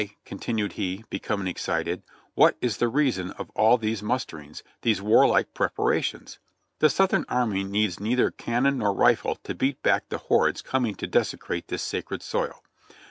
continued he, becoming excited, "What is the reason of all these musterings, these warlike preparations? The South ern army needs neither cannon nor rifle to beat back the hordes coming to desecrate this sacred soil.